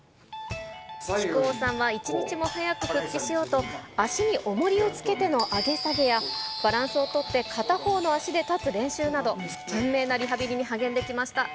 木久扇さんは一日も早く復帰しようと、脚におもりをつけての上げ下げや、バランスを取って片方の脚で立つ練習など、懸命なリハビリに励んできました。